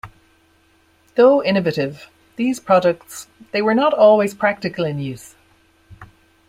Though innovative, these products they were not always practical in use.